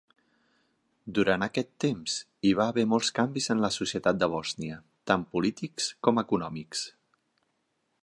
Durant aquest temps, hi va haver molts canvis a la societat de Bòsnia, tant polítics com econòmics.